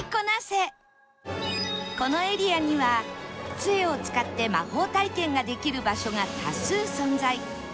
このエリアには杖を使って魔法体験ができる場所が多数存在